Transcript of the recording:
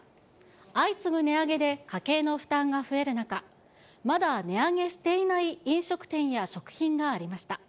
相次ぐ値上げで家計の負担が増える中、まだ値上げしていない飲食店や食品がありました。